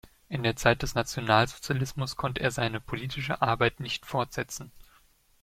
In der Zeit des Nationalsozialismus konnte er seine politische Arbeit nicht fortsetzen.